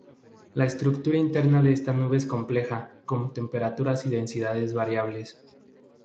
La estructura interna de esta nube es compleja, con temperaturas y densidades variables.